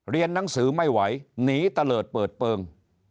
เรียนนังสือไม่ไหวหนีเตลอดเปิดเปลือง